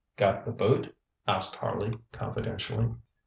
ŌĆØ ŌĆ£Got the boot? ŌĆØ asked Harley confidentially.